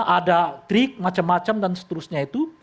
ada trik macam macam dan seterusnya itu